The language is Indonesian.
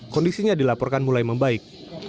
kondisinya dilaporkan mulai membaik